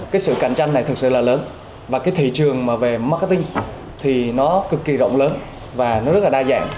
cái sự cạnh tranh này thực sự là lớn và cái thị trường mà về marketing thì nó cực kỳ rộng lớn và nó rất là đa dạng